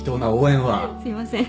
すいません。